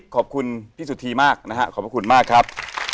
ขอบคุณพี่สุธีมากนะฮะขอบพระคุณมากครับ